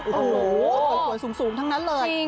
โอ้โหสวยสูงทั้งนั้นเลย